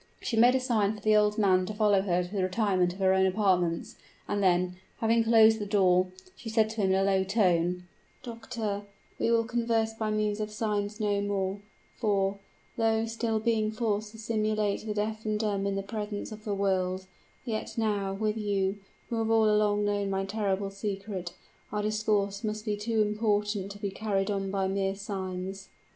She made a sign for the old man to follow her to the retirement of her own apartments; and then, having closed the door, she said to him in a low tone, "Doctor, we will converse by means of signs no more; for, though still forced to simulate the deaf and dumb in the presence of the world, yet now with you, who have all along known my terrible secret our discourse must be too important to be carried on by mere signs."